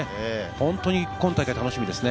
本当に今大会、楽しみですね。